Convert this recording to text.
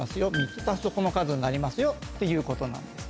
３つ足すとこの数になりますよっていうことなんです。